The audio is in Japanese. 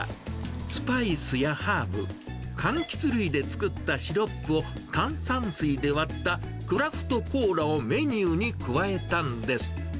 スパイスやハーブ、かんきつ類で作ったシロップを炭酸水で割ったクラフトコーラをメニューに加えたんです。